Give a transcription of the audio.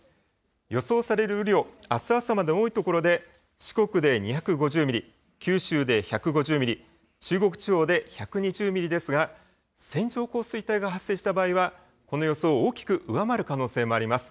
予想される雨量、あす朝までの多い所で、四国で２５０ミリ、九州で１５０ミリ、中国地方で１２０ミリですが、線状降水帯が発生した場合は、この予想を大きく上回る可能性もあります。